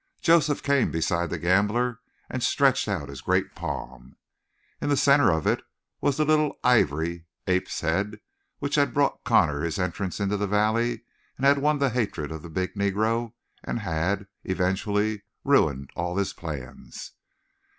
Joseph came beside the gambler and stretched out his great palm. In the center of it was the little ivory ape's head which had brought Connor his entrance into the valley and had won the hatred of the big Negro, and had, eventually, ruined all his plans.